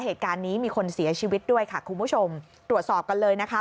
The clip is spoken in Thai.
เหตุการณ์นี้มีคนเสียชีวิตด้วยค่ะคุณผู้ชมตรวจสอบกันเลยนะคะ